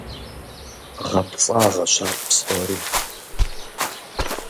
ГъэпцӀагъэщ ар псори.